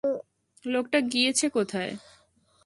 লোকটা গিয়েছে কোথায়?